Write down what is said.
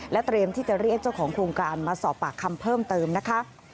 เตรียมที่จะเรียกเจ้าของโครงการมาสอบปากคำเพิ่มเติมนะคะ